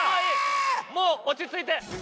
もう落ち着いて。